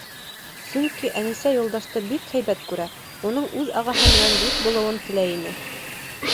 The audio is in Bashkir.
Сөнки Әнисә Юлдашты бик һәйбәт күрә, уның үҙ ағаһы менән дуҫ булыуын теләй ине.